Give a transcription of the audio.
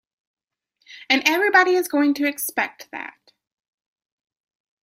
And everybody is going to expect that.